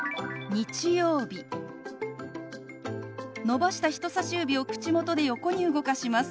伸ばした人さし指を口元で横に動かします。